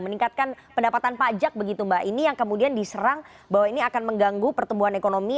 meningkatkan pendapatan pajak begitu mbak ini yang kemudian diserang bahwa ini akan mengganggu pertumbuhan ekonomi